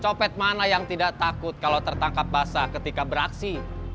copet mana yang tidak takut kalau tertangkap basah ketika beraksi